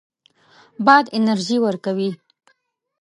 باد انرژي ورکوي.